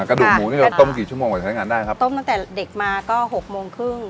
กระดูกหมูนี่เราต้มกี่ชั่วโมงกว่าใช้งานได้ครับต้มตั้งแต่เด็กมาก็หกโมงครึ่ง